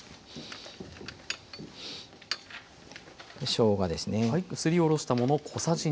しょうがですね。